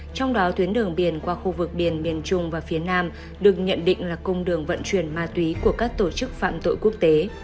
trong đó tuyến đường biển qua khu vực biển miền trung và phía nam được nhận định là cung đường vận chuyển ma túy của các tổ chức phạm tội quốc tế